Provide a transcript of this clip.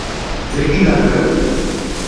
ძეგლი თითქმის მთლიანადაა დანგრეული.